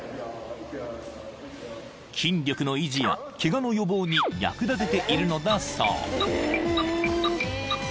［筋力の維持やケガの予防に役立てているのだそう］